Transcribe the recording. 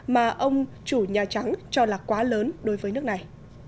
mà ông chủ nhà trắng cho là quá lớn đối với nước này